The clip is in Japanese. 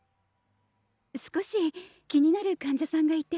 少し気になる患者さんがいて。